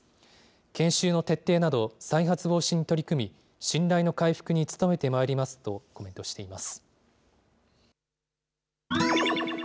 研修の徹底など、再発防止に取り組み、信頼の回復に努めてまいりますとコメントしています。